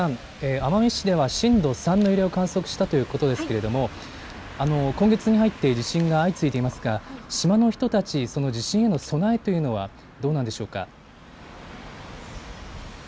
奄美市では震度３の揺れを観測したということですが今月に入って地震が相次いでいますが島の人たち、地震への備えはどうなんでしょうか。